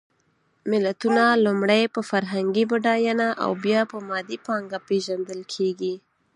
ملتونه لومړی په فرهنګي بډایېنه او بیا په مادي پانګه پېژندل کېږي.